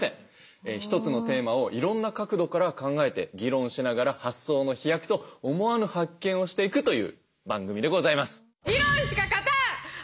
一つのテーマをいろんな角度から考えて議論しながら発想の飛躍と思わぬ発見をしていくという番組でございます。